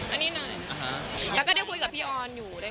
อันนี้ไหนแล้วก็ได้คุยกับพี่ออนอยู่